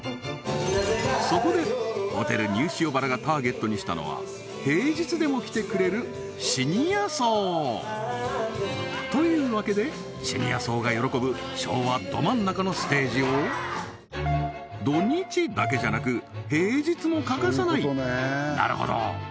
そこでホテルニュー塩原がターゲットにしたのは平日でも来てくれるシニア層というわけでシニア層が喜ぶ昭和ど真ん中のステージを土・日だけじゃなく平日も欠かさないなるほど！